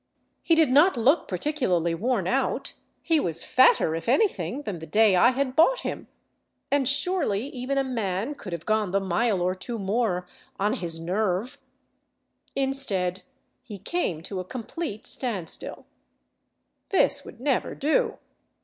He did not look particularly worn out ; he was fatter if anything than the day I had bought him; and surely even a man could have gone the mile or two more " on his nerve." Instead, he came to a complete standstill. This would never do.